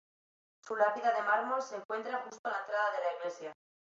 Su lápida de mármol se encuentra justo a la entrada de la iglesia.